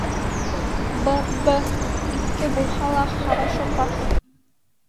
Б...б... Иҫке булһа ла, хорошо пашет.